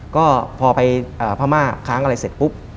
ก็พอไปพม่าค้างอะไรเสร็จปุ๊บ